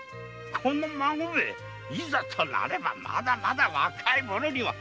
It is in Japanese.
この孫兵衛いざとなればまだまだ若い者には。